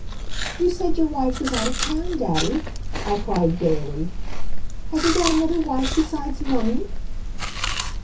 "You said your wife was out of town, daddy," I cried gaily. "Have you got another wife besides mummy?"